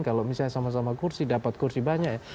kalau misalnya sama sama kursi dapat kursi banyak ya